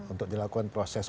untuk dilakukan proses